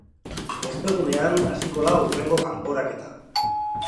Ostegunean hasiko da hurrengo kanporaketa.